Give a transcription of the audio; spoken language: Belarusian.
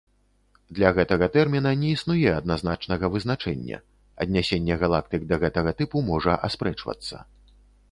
Для гэтага тэрміна не існуе адназначнага вызначэння, аднясенне галактык да гэтага тыпу можа аспрэчвацца.